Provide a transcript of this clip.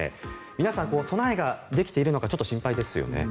皆さん、備えができているのかちょっと心配ですよね。